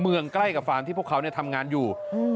ใกล้กับฟาร์มที่พวกเขาทำงานอยู่